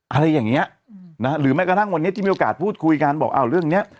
อะไรอย่างเงี้ยอืมนะฮะหรือแม้กระทั่งวันนี้ที่มีโอกาสพูดคุยกันบอกอ้าวเรื่องเนี้ย